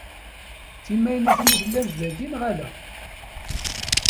D timaynutin i tellamt dagi neɣ ala?